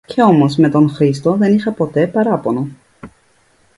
Και όμως με τον Χρήστο δεν είχα ποτέ παράπονο